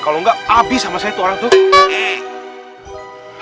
kalau nggak abis sama saya itu orang tuh